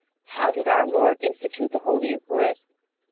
How did our Lord institute the Holy Eucharist?